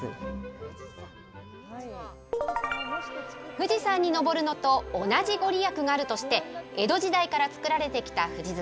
富士山に登るのと同じご利益があるとして、江戸時代から作られてきた富士塚。